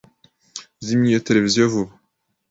Zimya iyo tereviziyo vuba